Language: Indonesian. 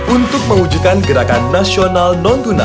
untuk mewujudkan gerakan nasional non tunai